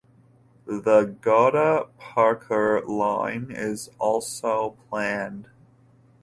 The Godda–Pakur line is also planned.